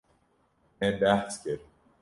Me behs kir.